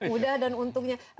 mudah dan untungnya